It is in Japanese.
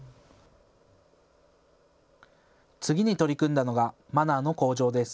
次に取り組んだのがマナーの向上です。